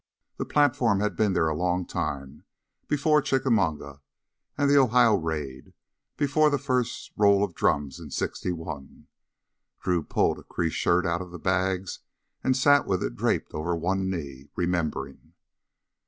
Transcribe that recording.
The platform had been there a long time before Chickamauga and the Ohio Raid, before the first roll of drums in '61. Drew pulled a creased shirt out of the bags and sat with it draped over one knee, remembering....